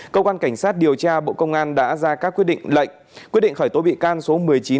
công an cảnh sát điều tra bộ công an đã ra các quyết định lệnh khởi tố bị can số một mươi chín hai mươi hai mươi một